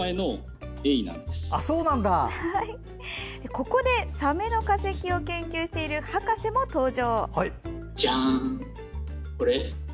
ここで、サメの化石を研究している博士も登場。